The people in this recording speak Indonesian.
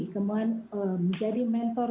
kemohon menjadi mentor